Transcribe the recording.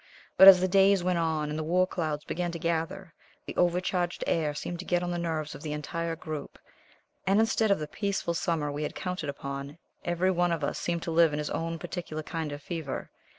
But as the days went on, and the war clouds began to gather, the overcharged air seemed to get on the nerves of the entire group, and instead of the peaceful summer we had counted upon, every one of us seemed to live in his own particular kind of fever.